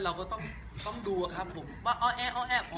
เราก็ต้องดูอะครับผม